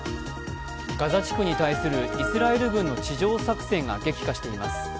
ガザ地区に対するイスラエル軍の地上作戦が激化しています。